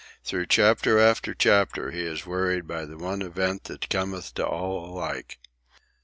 Through chapter after chapter he is worried by the one event that cometh to all alike.